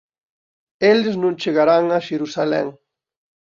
Eles non chegarán a Xerusalén.